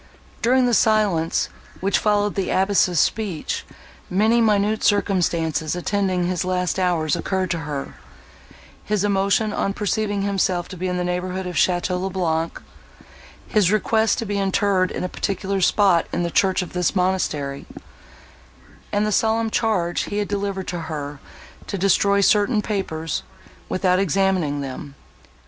During the silence, which followed the abbess' speech, many minute circumstances attending his last hours occurred to her—his emotion on perceiving himself to be in the neighbourhood of Château le Blanc—his request to be interred in a particular spot in the church of this monastery—and the solemn charge he had delivered to her to destroy certain papers, without examining them.